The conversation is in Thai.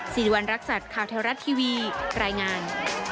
สิริวัณรักษัตริย์ข่าวแถวรัฐทีวีรายงาน